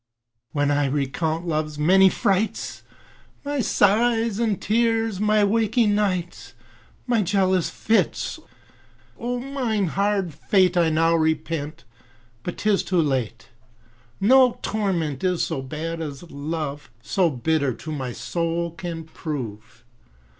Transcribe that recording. When I recount love's many frights, My sighs and tears, my waking nights, My jealous fits; O mine hard fate I now repent, but 'tis too late. No torment is so bad as love, So bitter to my soul can prove.